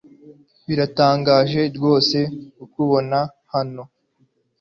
Biratangaje rwose kukubona hano.